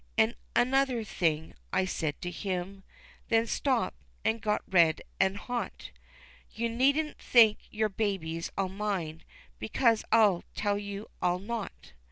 An' another thing," I said to him, Then stopped, an' got red an' hot, "You needn't think your babies I'll mind, Because I tell you I'll not."